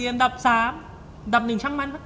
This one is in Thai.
อันดับ๓อันดับ๑ช่างมัน